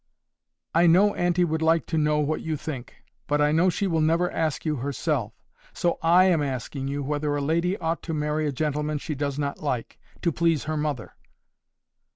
"I know auntie would like to know what you think. But I know she will never ask you herself. So I am asking you whether a lady ought to marry a gentleman she does not like, to please her mother."